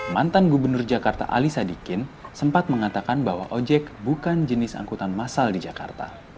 mantan gubernur jakarta ali sadikin sempat mengatakan bahwa ojek bukan jenis angkutan masal di jakarta